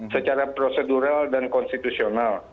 secara prosedural dan konstitusional